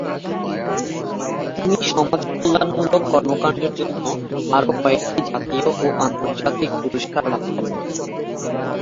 তিনি সমাজকল্যাণ মূলক কর্মকাণ্ডের জন্য আরও কয়েকটি জাতীয় ও আন্তর্জাতিক পুরস্কার লাভ করেন।